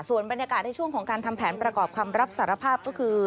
ส่วนบรรยากาศในช่วงของการทำแผนประกอบคำรับสารภาพก็คือ